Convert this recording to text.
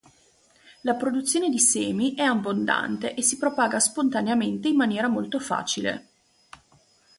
La produzione di semi è abbondante e si propaga spontaneamente in maniera molto facile.